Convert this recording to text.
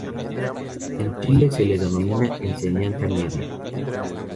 En Chile se le denomina enseñanza media.